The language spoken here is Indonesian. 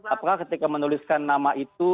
apakah ketika menuliskan nama itu